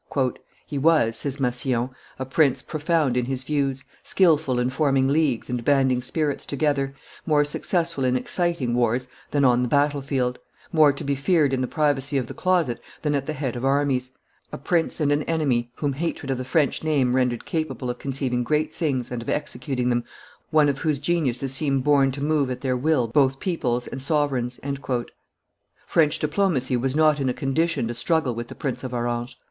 "He was," says Massillon, "a prince profound in his views, skilful in forming leagues and banding spirits together, more successful in exciting wars than on the battle field, more to be feared in the privacy of the closet than at the head of armies, a prince and an enemy whom hatred of the French name rendered capable of conceiving great things and of executing them, one of those geniuses who seem born to move at their will both peoples and sovereigns." French diplomacy was not in a condition to struggle with the Prince of Orange.